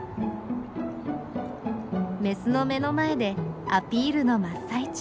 メスの目の前でアピールの真っ最中。